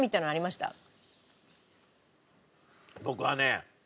僕はね